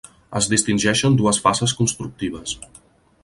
Es distingeixen dues fases constructives.